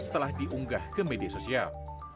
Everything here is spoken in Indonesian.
setelah diunggah ke media sosial